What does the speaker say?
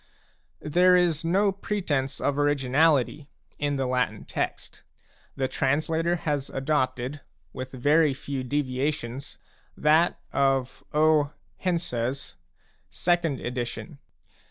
There is no pretence of originality in the Latin text; the translator has adopted, with very few deviations, that of O. Hense's second edition.